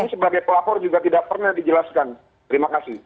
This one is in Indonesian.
kami sebagai pelapor juga tidak pernah dijelaskan terima kasih